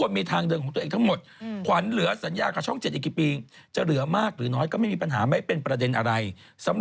นางมาจากช่อง๓มาก่อนมากกว่านางมาพร้อมหยาดทริปใช่ไหมล่ะ